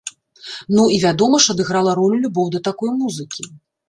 Ну, і, вядома ж, адыграла ролю любоў да такой музыкі.